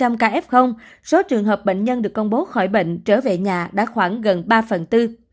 sau đó số trường hợp bệnh nhân được công bố khỏi bệnh trở về nhà đã khoảng gần ba phần tư